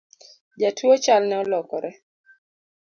Jatuo chalne olokore